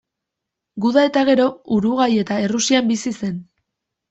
Guda eta gero, Uruguai eta Errusian bizi zen.